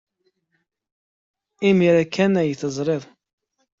Imir-a kan ay t-teẓriḍ.